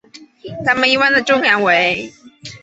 它们一般的重量为。